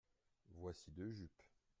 Voici deux jupes.